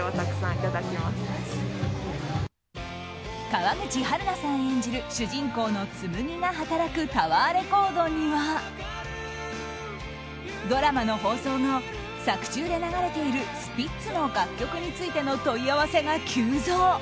川口春奈さん演じる主人公の紬が働くタワーレコードにはドラマの放送後作中で流れているスピッツの楽曲についての問い合わせが急増。